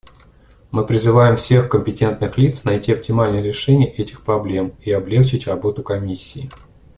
Мы призываем всех компетентных лиц найти оптимальное решение этих проблем и облегчить работу Комиссии.